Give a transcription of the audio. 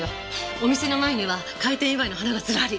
お店の前には開店祝いの花がズラリ。